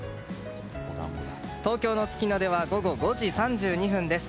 東京の月の出は午後５時３２分です。